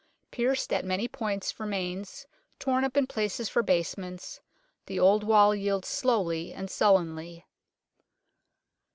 " Pierced at many points for mains, torn up in places for basements, the old wall yields slowly and sullenly."